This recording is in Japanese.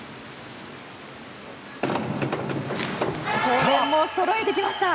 これもそろえてきました！